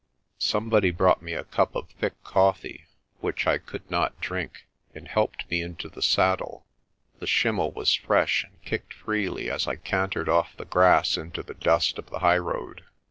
Somebody brought me a cup of thick coffee, which I could not drink, and helped me into the saddle. The schlmmel was fresh and kicked freely as I cantered off the grass into the dust of the highroad.